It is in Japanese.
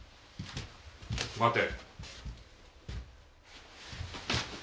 待て。